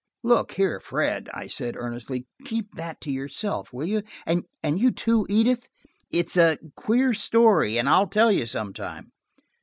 "Look here, Fred," I said earnestly. "Keep that to yourself, will you? And you too, Edith? It's a queer story, and I'll tell you sometime."